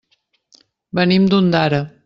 Venim d'Ondara.